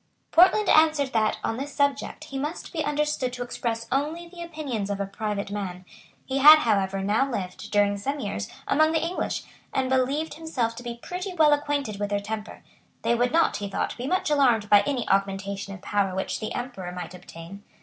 Portland answered that, on this subject, he must be understood to express only the opinions of a private man. He had however now lived, during some years, among the English, and believed himself to be pretty well acquainted with their temper. They would not, he thought, be much alarmed by any augmentation of power which the Emperor might obtain.